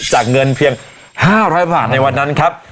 จากเงินเพียง๕๐๐บาทในวันนั้นครับ